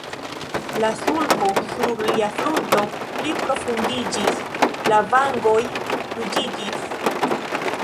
La sulko sur lia frunto pli profundiĝis, la vangoj ruĝiĝis.